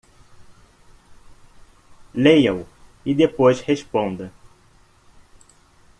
Leia-o e depois responda.